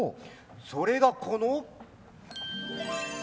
それがこの。